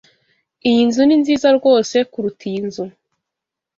Iyo nzu ni nziza rwose kuruta iyi nzu.